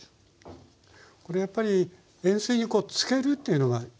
これやっぱり塩水につけるっていうのがいいんですかね？